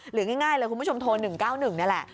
ง่ายเลยคุณผู้ชมโทร๑๙๑นี่แหละ